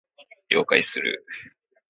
了解する